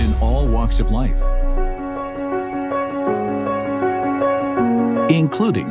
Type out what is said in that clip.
termasuk cara kita berpenggunaan dan membuat uang